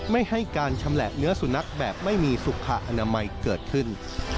ไม่ให้การชำแหละเนื้อสุนัขแบบไม่มีสุขอนามัยเกิดขึ้น